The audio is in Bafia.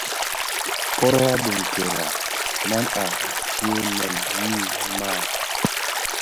Koro a biňkira, man a siionèn mii maa.